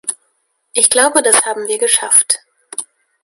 Ich glaube, das haben wir geschafft.